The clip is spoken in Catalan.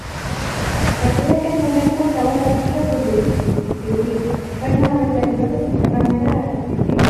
A partir d'aquest moment, qualsevol la pot reproduir, distribuir o fer-ne obres derivades sense cap mena de restricció.